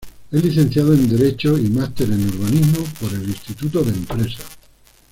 Es Licenciado en Derecho y Master en Urbanismo por el Instituto de Empresa.